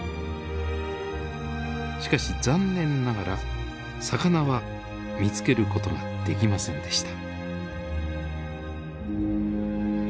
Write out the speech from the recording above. しかし残念ながら魚は見つける事ができませんでした。